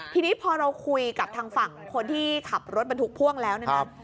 ทีนี้พอเราคุยกับทางฝั่งคนที่ขับรถมันถูกพ่วงแล้วนะครับ